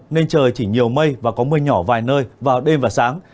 nên trời chỉ nhiều mây và có mưa nhỏ vài nơi vào đêm và sáng